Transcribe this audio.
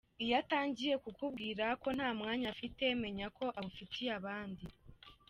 Iyo atangiye kukubwira ko nta mwanya afite, menya ko awufitiye abandi.